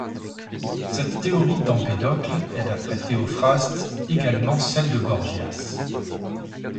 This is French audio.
Cette théorie d'Empédocle est, d'après Théophraste, également celle de Gorgias.